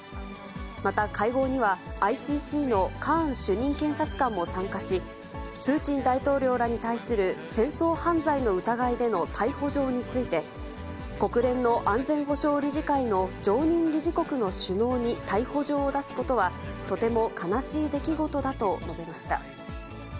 また会合には、ＩＣＣのカーン主任検察官も参加し、プーチン大統領らに対する戦争犯罪の疑いでの逮捕状について、国連の安全保障理事会の常任理事国の首脳に逮捕状を出すことは、とても悲しい出来事だと述べました。